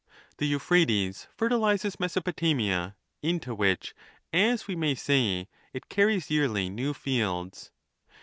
The Euphrates fertilizes Mesopotamia, into which, as we may say, it car ries yearly new fields.'